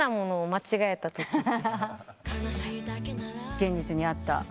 現実にあった？